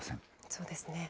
そうですね。